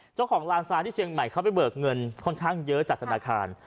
เจ้าของลานทรายที่เชียงใหม่เขาไปเบิกเงินค่อนข้างเยอะจากธนาคาร